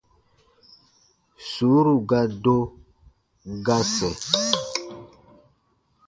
Sùuru ga do, ga sɛ̃.